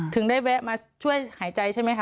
ถึงได้แวะมาช่วยหายใจใช่ไหมคะ